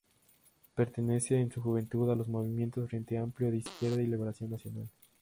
Perteneció en su juventud a los movimientos Frente Amplio de Izquierda y Liberación Nacional.